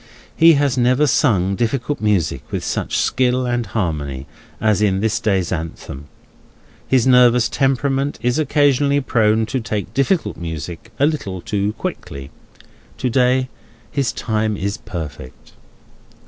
He has never sung difficult music with such skill and harmony, as in this day's Anthem. His nervous temperament is occasionally prone to take difficult music a little too quickly; to day, his time is perfect.